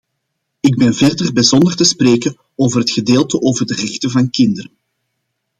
Ik ben verder bijzonder te spreken over het gedeelte over de rechten van kinderen.